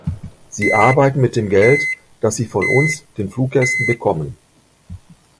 Sie arbeiten mit dem Geld, das sie von uns, den Fluggästen, bekommen.